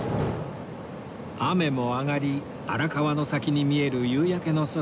雨も上がり荒川の先に見える夕焼けの空